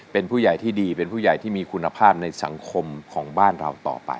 เป็นผู้ใหญ่ที่ดีเป็นผู้ใหญ่ที่มีคุณภาพในสังคมของบ้านเราต่อไป